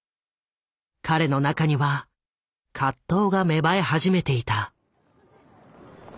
彼の中には葛藤が芽生え始めていた。